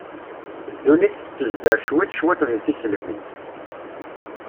Ddunit tettezder cwiṭ cwiṭ deg tiselbi.